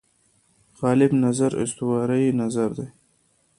غالب نظر اسطوره یي نظر دی.